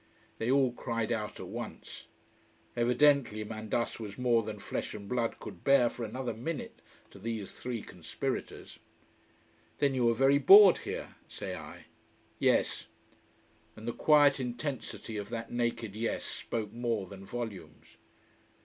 They all cried out at once. Evidently Mandas was more than flesh and blood could bear for another minute to these three conspirators. "Then you are very bored here?" say I. "Yes." And the quiet intensity of that naked yes spoke more than volumes.